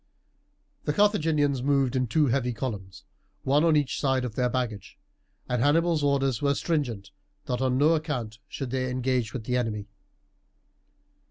The Carthaginians moved in two heavy columns, one on each side of their baggage, and Hannibal's orders were stringent that on no account should they engage with the enemy.